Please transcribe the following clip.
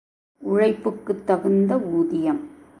உழைப்புக்குத் தகுந்த ஊதியம்.